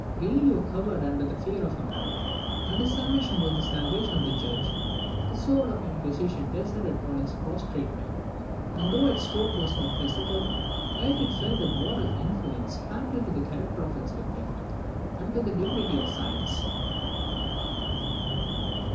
Galileo cowered under the fear of man, and his submission was the salvation of the church. The sword of the Inquisition descended on his prostrate neck; and though its stroke was not physical, yet it fell with a moral influence fatal to the character of its victim, and to the dignity of science.